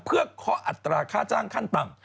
เพื่อเคาะอัตราค่าจ้างขั้นต่ำ